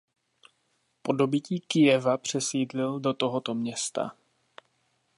Po dobytí Kyjeva přesídlil do tohoto města.